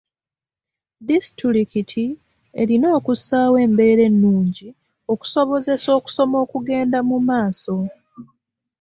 Disitulikiti erina okussaawo embeera ennungi okusobozesa okusoma okugenda mu maaso.